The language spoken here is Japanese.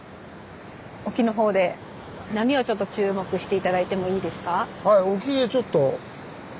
沖のほうで波を注目して頂いてもいいですか。